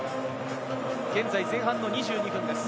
現在前半２２分です。